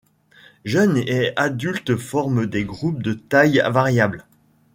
Jeunes et adultes forment des groupes de taille variable.